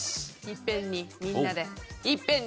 いっぺんにみんなで。